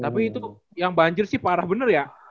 tapi itu yang banjir sih parah benar ya